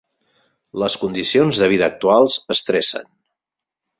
Les condicions de vida actuals estressen.